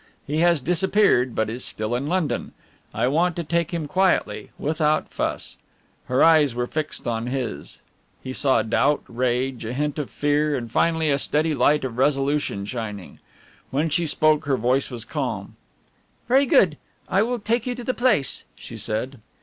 He has disappeared, but is still in London. I want to take him quietly without fuss." Her eyes were fixed on his. He saw doubt, rage, a hint of fear and finally a steady light of resolution shining. When she spoke her voice was calm. "Very good. I will take you to the place," she said.